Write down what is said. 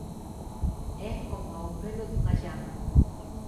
É coma o pelo dunha llama”.